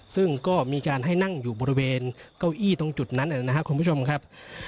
ซึ่งก็มีการให้นั่งอยู่บริเวณเก้าอี้ตรงจุดนั้นนะครับคุณผู้ชมครับ